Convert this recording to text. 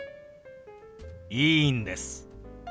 いいんです。